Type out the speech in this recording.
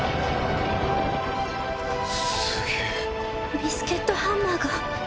ビスケットハンマーが。